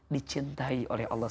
dicintai oleh allah